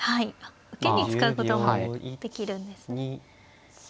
受けに使うこともできるんですね。